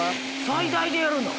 最大でやるの？